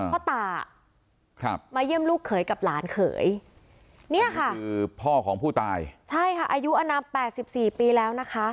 พ่อตามาเยี่ยมลูกเขยกับหลานเขยเนี่ยค่ะคือพ่อของผู้ตายใช่ค่ะอายุอนาม๘๔ปีแล้วนะคะ